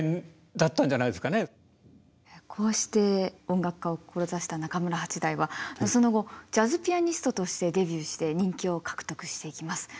こうして音楽家を志した中村八大はその後ジャズピアニストとしてデビューして人気を獲得していきます。